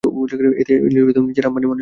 এতে নিজের আম্বানি মনে হয়।